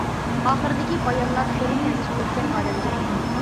ئاخىرىدىكى بايانلار خېلى تەسىر قىلدىكەن ئادەمگە.